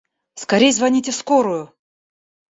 Скорей звоните в скорую!